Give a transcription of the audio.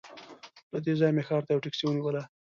له دې ځایه مې ښار ته یوه ټکسي ونیوله.